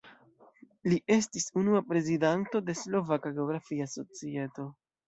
Li estis unua prezidanto de Slovaka geografia societo.